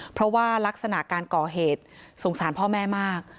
เพราะว่ารักษณะการก่อเหตุสงสารพ่อแม่มาก